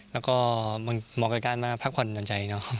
แล้วก็มันมองกระจ้านมาพักผ่อนใจ